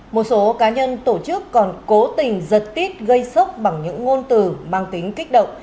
một số cá nhân tổ chức còn cố tình giật tít gây sốc bằng những ngôn từ mang tính kích động